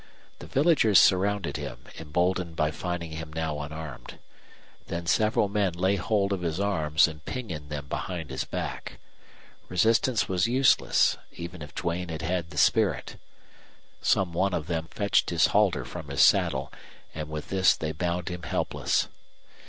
The villagers surrounded him, emboldened by finding him now unarmed. Then several men lay hold of his arms and pinioned them behind his back. Resistance was useless even if Duane had had the spirit. Some one of them fetched his halter from his saddle, and with this they bound him helpless.